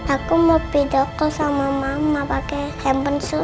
aku mau pidoko sama mama pakai handphone sumpah